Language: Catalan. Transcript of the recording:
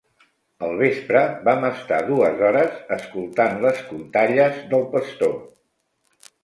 Al vespre vam estar dues hores escoltant les contalles del pastor.